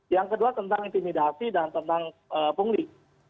yang kedua tentang intimidasi dan tentang pungli